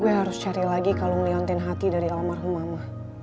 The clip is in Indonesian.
gue harus cari lagi kalung liontin hati dari alam marhum mama